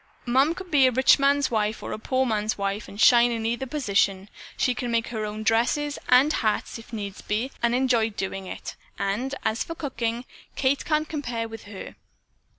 Mom could be a rich man's wife or a poor man's wife and shine in either position. She can make her own dresses and hats if need be and enjoy doing it, and, as for cooking, Kate can't compare with her.